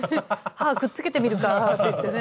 歯くっつけてみるかっていってね。